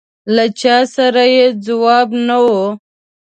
له چا سره یې ځواب نه و.